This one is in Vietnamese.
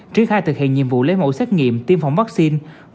triển khai thực hiện nhiệm vụ lấy mẫu xét nghiệm tiêm phòng vaccine